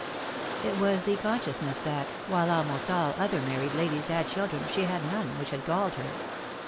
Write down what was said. It was the con sciousness that, while almost all other married ladies had children, she had none, which had gaUed her.